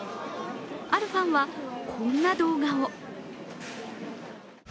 あるファンはこんな動画を。